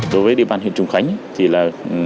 đối với địa bàn huyện trùng khánh thì là